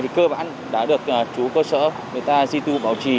cơ bản đã được chú cơ sở người ta di tu bảo trì